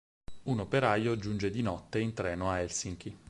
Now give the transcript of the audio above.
Un operaio giunge di notte in treno a Helsinki.